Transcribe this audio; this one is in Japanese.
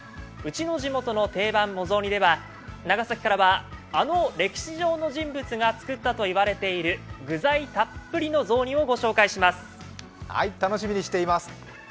「うちの地元の定番お雑煮」では長崎からはあの歴史上の人物が作ったと言われている具材たっぷりの雑煮をご紹介します。